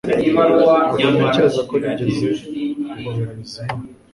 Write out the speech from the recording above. Ntabwo ntekereza ko nigeze guhobera Bizimana